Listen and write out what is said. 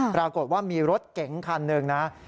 ปรากฏว่ามีรถเก๋งคันหนึ่งนะ